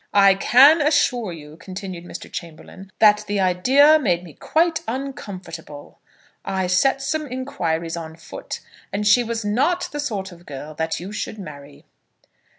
"I can assure you," continued Mr. Chamberlaine, "that the idea made me quite uncomfortable. I set some inquiries on foot, and she was not the sort of girl that you should marry."